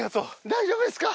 大丈夫ですか？